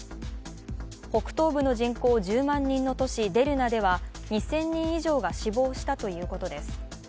北東部の人口１０万人の都市デルナでは２０００人以上が死亡したということです。